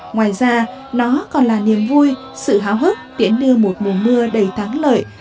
ngoài ra nó còn là niềm vui sự háo hức tiễn đưa một mùa mưa đầy thắng lợi